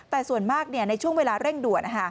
แต่ส่วนมากในช่วงเวลาเร่งด่วน